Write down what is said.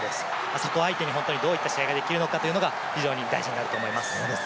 そこ相手に、本当にどういった試合ができるのか、非常に大事になると思います。